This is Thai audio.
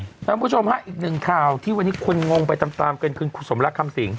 คุณผู้ชมฮะอีกหนึ่งข่าวที่วันนี้คนงงไปตามตามกันคือคุณสมรักคำสิง